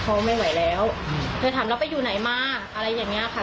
เขาไม่ไหวแล้วเธอถามแล้วไปอยู่ไหนมาอะไรอย่างเงี้ยค่ะ